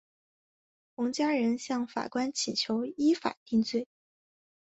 洪家人向法官请求依法定罪。